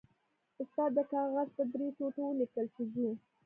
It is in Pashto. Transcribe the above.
استاد د کاغذ په درې ټوټو ولیکل چې ځو.